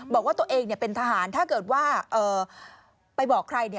บอกว่าตัวเองเนี่ยเป็นทหารถ้าเกิดว่าเอ่อไปบอกใครเนี่ย